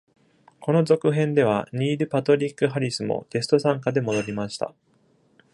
この続編では、ニール・パトリック・ハリスもゲスト参加で戻りました。